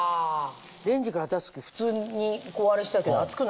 レンジから出す時普通にこうあれしたけど熱くないの？